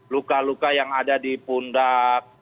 luka luka yang ada di pundak